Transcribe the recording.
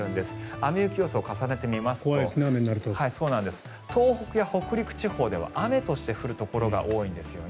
雨・雪予想を重ねてみますと東北や北陸地方では雨として降るところが多いんですよね。